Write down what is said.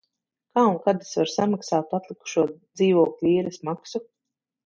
Kā un kad es varu samaksāt atlikušo dzīvokļa īres maksu?